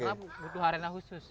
karena butuh arena khusus